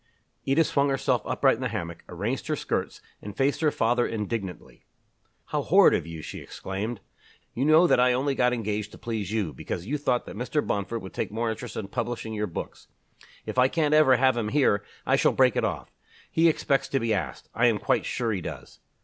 Edith swung herself upright in the hammock, arranged her skirts, and faced her father indignantly. "How horrid of you!" she exclaimed. "You know that I only got engaged to please you, because you thought that Mr. Bomford would take more interest in publishing your books. If I can't ever have him here, I shall break it off. He expects to be asked I am quite sure he does."